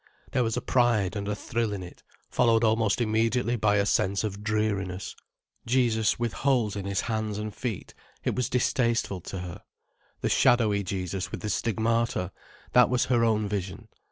There was a pride and a thrill in it, followed almost immediately by a sense of dreariness. Jesus with holes in His hands and feet: it was distasteful to her. The shadowy Jesus with the Stigmata: that was her own vision.